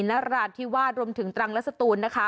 นราธิวาสรวมถึงตรังและสตูนนะคะ